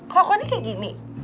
kelakuan dia kayak gini